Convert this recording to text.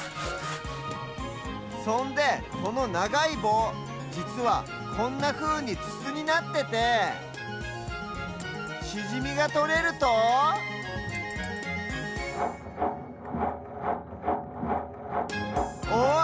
そんでこのながいぼうじつはこんなふうにつつになっててシジミがとれるとおっ！